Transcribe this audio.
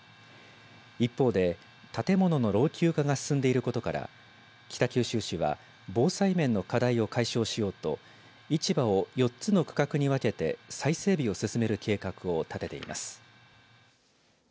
一方で、建物の老朽化が進んでいることから北九州市は防災面の課題を解消しようと市場を４つの区画に分けて再整備を進める計画を立てています。